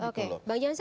oke bang jansan